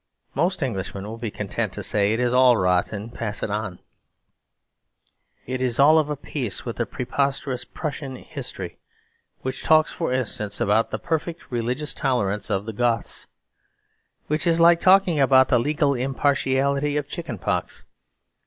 Most Englishmen will be content to say it is all rot and pass on. It is all of a piece with the preposterous Prussian history, which talks, for instance, about the "perfect religious tolerance of the Goths"; which is like talking about the legal impartiality of chicken pox.